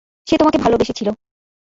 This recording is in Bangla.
সে তোমাকে ভালোবেসেছিল।